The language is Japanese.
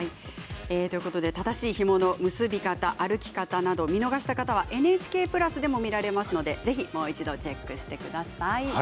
正しいひもの結び方歩き方など見逃した方はＮＨＫプラスでも見られますので、ぜひもう一度チェックしてみてください。